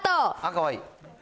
かわいい。